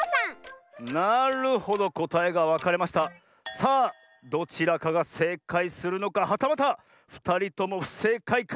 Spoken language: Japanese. さあどちらかがせいかいするのかはたまたふたりともふせいかいか。